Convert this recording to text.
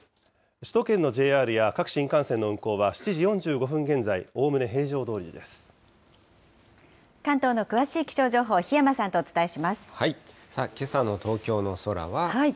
首都圏のＪＲや各新幹線の運行は７時４５分現在、おおむね平常ど関東の詳しい気象情報、檜山けさの東京の空は。